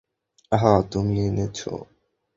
হ্যাঁ, তুমি এনেছ।